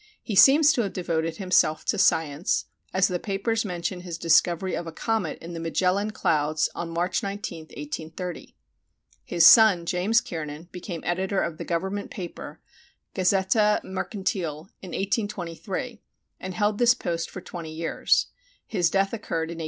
He seems to have devoted himself to science, as the papers mention his discovery of a comet in the Magellan clouds on March 19, 1830. His son, James Kiernan, became editor of the government paper, Gaceta Mercantil, in 1823, and held this post for twenty years; his death occurred in 1857.